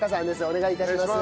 お願い致します。